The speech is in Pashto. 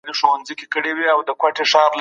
نړیوال قوانین د هیوادونو حاکمیت ته درناوی کوي.